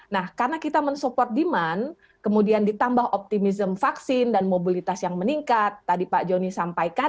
nah karena kita mensupport demand kemudian ditambah optimism vaksin dan mobilitas yang meningkat tadi pak joni sampaikan